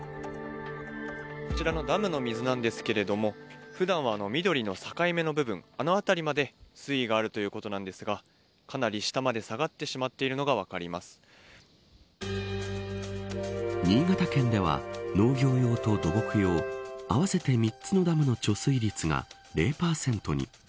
こちらのダムの水なんですけれども普段は緑の境目の部分あの辺りまで水位があるということなんですがかなり下まで下がってしまってい新潟県では、農業用と土木用合わせて３つのダムの貯水率が０％に。